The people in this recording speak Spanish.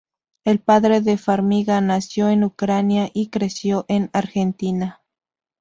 El padre de Farmiga nació en Ucrania y creció en Argentina.